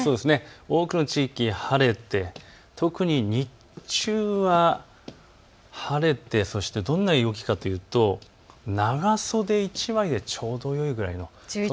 多くの地域、晴れて特に日中は晴れてどんな陽気かというと長袖１枚でちょうどよいぐらいの。